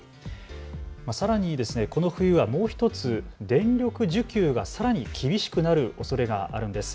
さらにこの冬はもう１つ電力需給がさらに厳しくなるおそれがあるんです。